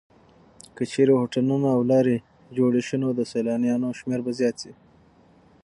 که چېرې هوټلونه او لارې جوړې شي نو د سېلانیانو شمېر به زیات شي.